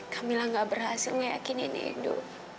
kamila gak berhasil meyakini nedo